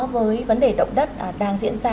với vấn đề động đất đang diễn ra